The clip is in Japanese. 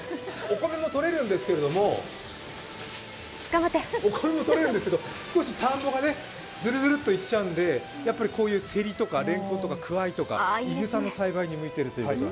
なので、お米もとれるんですけど少し田んぼがするずるっといっちゃうのでこういうセリとかれんこんとかクワイとか、い草の栽培に向いているということです。